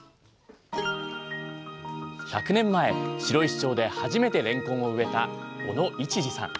１００年前白石町で初めてれんこんを植えた小野市次さん。